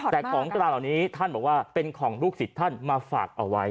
แต่ของกลางเหล่านี้ท่านบอกว่าเป็นของลูกศิษย์ท่านมาฝากเอาไว้